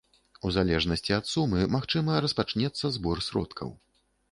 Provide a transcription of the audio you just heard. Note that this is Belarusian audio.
У залежнасці ад сумы, магчыма, распачнецца збор сродкаў.